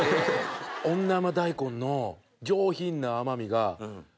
女山大根の上品な甘みが。